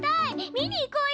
見に行こうよ！